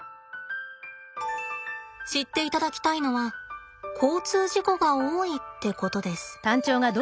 知っていただきたいのは交通事故が多いってことです。